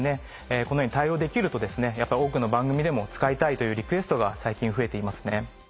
このように対応できると多くの番組でも使いたいというリクエストが最近増えていますね。